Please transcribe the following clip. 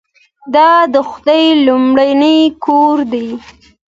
دا د خدای لومړنی کور دی.